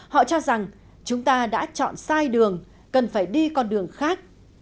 họ cho rằng chúng ta đã chọn sai đường cần phải đi con đường khác